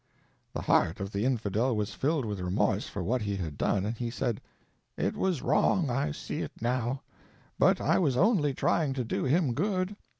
_ The heart of the Infidel was filled with remorse for what he had done, and he said: "_It was wrong—I see it now; but I was only trying to do him good.